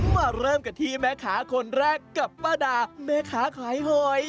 มาเริ่มกันที่แม่ค้าคนแรกกับป้าดาแม่ค้าขายหอย